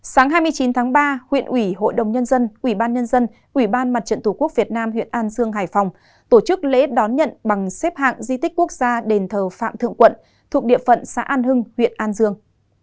sáng hai mươi chín tháng ba huyện ủy hội đồng nhân dân ủy ban nhân dân ủy ban mặt trận tổ quốc việt nam huyện an dương hải phòng tổ chức lễ đón nhận bằng xếp hạng di tích quốc gia đền thờ phạm thượng quận thuộc địa phận xã an hưng huyện an dương